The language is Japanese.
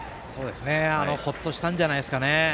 ほっとしたんじゃないですかね。